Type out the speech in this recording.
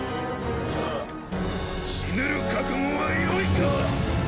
さあ死ぬる覚悟は良いか！？